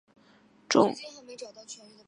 等腰横帘蛤为帘蛤科花蛤属下的一个种。